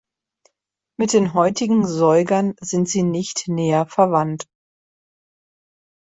Mit den heutigen Säugern sind sie nicht näher verwandt.